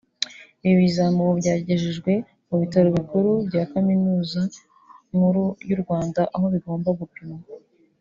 Ibi bizamini ubu byagejejwe mu bitaro bikuru bya Kaminuza Nkuru y’u Rwanda aho bigomba gupimirwa